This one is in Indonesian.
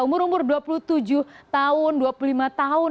umur umur dua puluh tujuh tahun